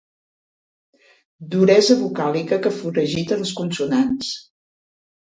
Duresa vocàlica que foragita les consonants.